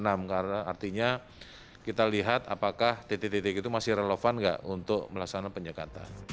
karena artinya kita lihat apakah titik titik itu masih relevan nggak untuk melaksanakan penyekatan